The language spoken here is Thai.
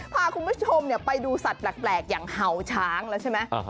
พาคุณผู้ชมไปดูสัตว์แปลกอย่างเห่าช้างแล้วใช่ไหม